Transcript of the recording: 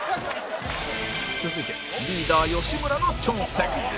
続いてリーダー吉村の挑戦